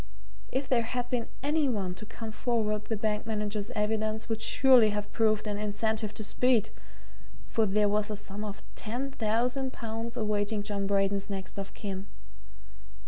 If there had been any one to come forward the bank manager's evidence would surely have proved an incentive to speed for there was a sum of ten thousand pounds awaiting John Braden's next of kin.